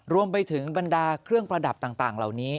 รวมไปถึงบรรดาเครื่องประดับต่างเหล่านี้